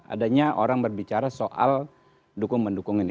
adanya orang berbicara soal dukung mendukung ini